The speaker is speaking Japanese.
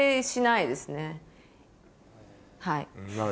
はい。